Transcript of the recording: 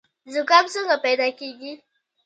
زکام څنګه پیدا کیږي؟